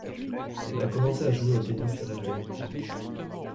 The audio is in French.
Elle a commencé à jouer au tennis à l'âge de huit ans.